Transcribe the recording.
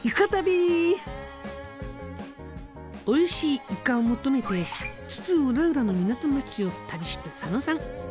おいしいイカを求めて津々浦々の港町を旅した佐野さん。